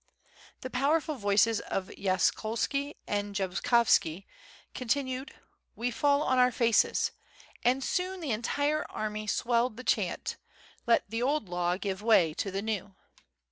The powerful voices of Yaskolski and Jabkovski continued "We fall on our faces!" and soon the entire army swelled the chant "Let the old law give way to the new."